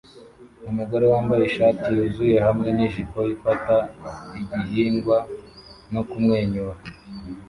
Umugore wambaye ishati yuzuye hamwe nijipo ifata igihingwa no kumwenyura